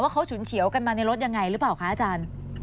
เขาฉุนเฉียวกันมาในรถยังไงหรือเปล่าคะอาจารย์